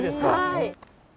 はい！